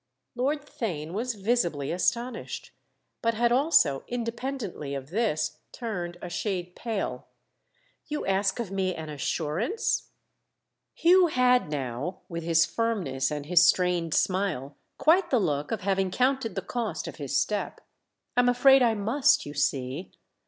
Lord Theign was visibly astonished, but had also, independently of this, turned a shade pale. "You ask of me an 'assurance'?" Hugh had now, with his firmness and his strained smile, quite the look of having counted the cost of his step. "I'm afraid I must, you see."